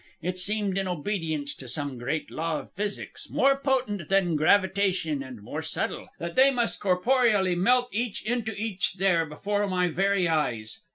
It seemed, in obedience to some great law of physics, more potent than gravitation and more subtle, that they must corporeally melt each into each there before my very eyes.